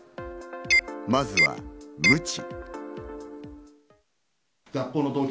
まずはムチ。